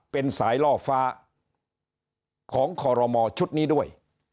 เป็นสายล่อฟ้าของคอรมอชุดนี้ด้วย